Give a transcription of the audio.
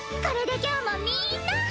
これで今日もみんな！